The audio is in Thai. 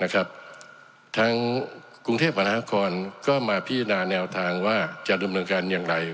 ทางกรุงเทพมหานครก็มาพิจารณาแนวทางว่าจะดำเนินการอย่างไร